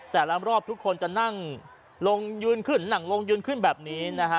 แต่ละรอบทุกคนจะนั่งลงยืนขึ้นนั่งลงยืนขึ้นแบบนี้นะฮะ